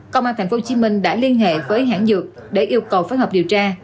công an tp hcm đã liên hệ với hãng dược để yêu cầu phối hợp điều tra